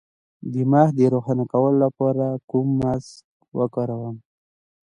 د مخ د روښانه کولو لپاره کوم ماسک وکاروم؟